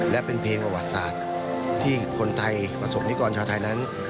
และเป็นเพลงประวัติศาสตร์ที่คนไทยประสบนิกรชาวไทยนั้น